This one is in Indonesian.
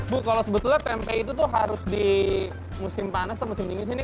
bu kalau sebetulnya tempe itu tuh harus di musim panas atau musim dingin sini